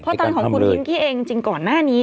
เพราะตอนของคุณพิงกี้เองจริงก่อนหน้านี้